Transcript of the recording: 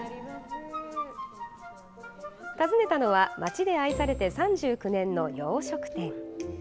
訪ねたのは、街で愛されて３９年の洋食店。